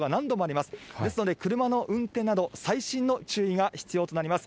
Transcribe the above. ですので、車の運転など、細心の注意が必要となります。